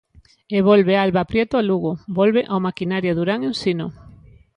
E volve Alba Prieto a Lugo, volve ao Maquinaria Durán Ensino.